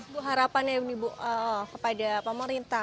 bu harapannya ibu kepada pemerintah